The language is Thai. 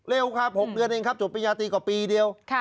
เร็วครับ๖เดือนเองครับจบปริญญาตรีกว่าปีเดียว